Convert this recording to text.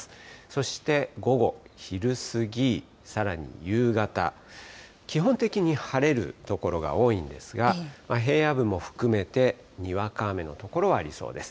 そして午後、昼過ぎ、さらに夕方、基本的に晴れる所が多いんですが、平野部も含めてにわか雨の所はありそうです。